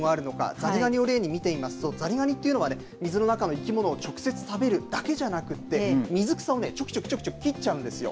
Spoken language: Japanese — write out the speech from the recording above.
ザリガニを例に見てみますとザリガニというのは水の中の生き物を直接食べるだけじゃなくて水草をチョキチョキ、チョキチョキ切っちゃうんですよ。